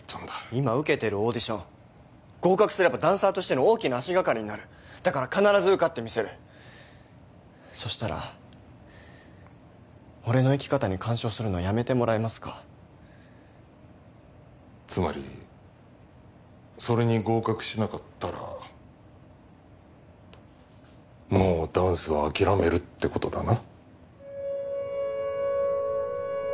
今受けてるオーディション合格すればダンサーとしての大きな足がかりになるだから必ず受かってみせるそしたら俺の生き方に干渉するのはやめてもらえますかつまりそれに合格しなかったらもうダンスは諦めるってことだな？